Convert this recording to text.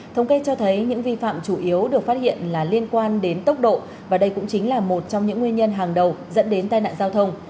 thống kê cho thấy những vi phạm chủ yếu được phát hiện là liên quan đến tốc độ và đây cũng chính là một trong những nguyên nhân hàng đầu dẫn đến tai nạn giao thông